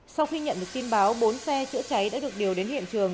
sau khi nhận được tin báo bốn xe chữa cháy đã được điều đến hiện trường